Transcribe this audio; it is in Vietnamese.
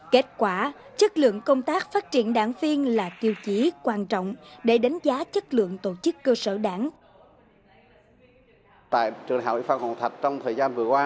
kết quả chất lượng công tác phát triển đảng viên là tiêu chí quan trọng để đánh giá chất lượng tổ chức cơ sở đảng